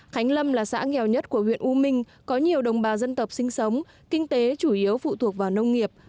khánh lâm là xã nghèo nhất của huyện u minh có nhiều đồng bào dân tộc sinh sống kinh tế chủ yếu phụ thuộc vào nông nghiệp